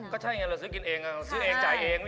ก็ใช่ไงเราซื้อกินเองซื้อเองจ่ายเอง